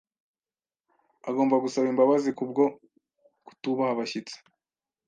Agomba gusaba imbabazi kubwo kutubaha abashyitsi.